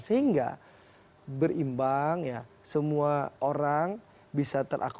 sehingga berimbang ya semua orang bisa terakomo